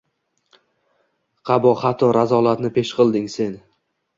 Qabohatu razolatni pesh qilding Sen.